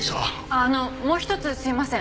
あのもう一つすいません。